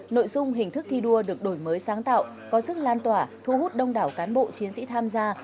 nội dung hình thức thi đua được đổi mới sáng tạo có sức lan tỏa thu hút đông đảo cán bộ chiến sĩ tham gia